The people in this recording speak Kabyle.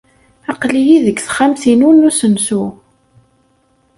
Aql-iyi deg texxamt-inu n usensu.